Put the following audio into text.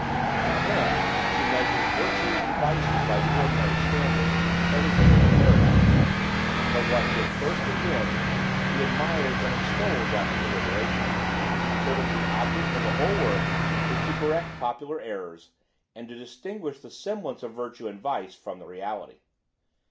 To Klim, who measures virtues and vices by the ordinary standard, everything is a paradox; but what he at first condemns, he admires and extols after deliberation; so that the object of the whole work is to correct popular errors, and to distinguish the semblance of virtue and vice from the reality.